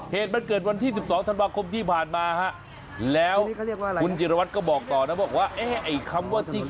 เหตุมันเกิดวันที่๑๒ธันวาคมที่ผ่านมาฮะแล้วคุณจิรวัตรก็บอกต่อนะบอกว่าเอ๊ะไอ้คำว่าจริง